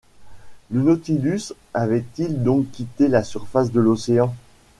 Le Nautilus avait-il donc quitté la surface de l’Océan ?